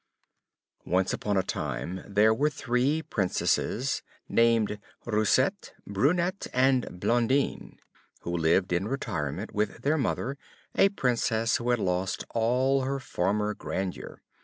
Once upon a time there were three Princesses, named Roussette, Brunette, and Blondine, who lived in retirement with their mother, a Princess who had lost all her former grandeur.